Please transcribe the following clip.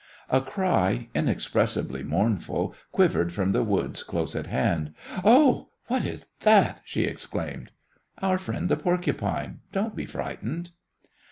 A cry, inexpressibly mournful, quivered from the woods close at hand. "Oh, what is that?" she exclaimed. "Our friend the porcupine. Don't be frightened."